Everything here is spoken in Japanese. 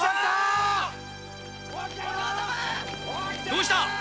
どうした？